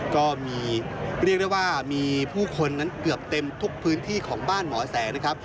ก็มีเรียกได้ว่ามีผู้คนนั้นเกือบเต็มทุกพื้นที่ของบ้านหมอแสงนะครับ